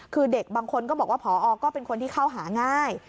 คือเด็กบางคนก็บอกว่าพอก็เป็นคนที่เข้าหาง่าย